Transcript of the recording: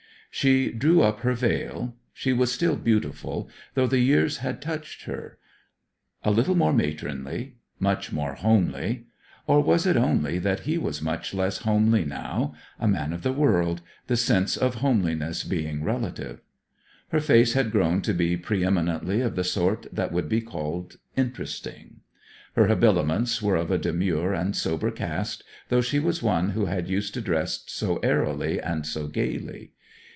She threw up her veil. She was still beautiful, though the years had touched her; a little more matronly much more homely. Or was it only that he was much less homely now a man of the world the sense of homeliness being relative? Her face had grown to be pre eminently of the sort that would be called interesting. Her habiliments were of a demure and sober cast, though she was one who had used to dress so airily and so gaily.